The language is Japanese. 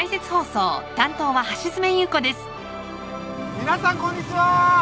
皆さんこんにちは！